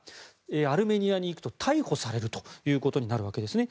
アルメニアに行くと逮捕されるということになるわけですね。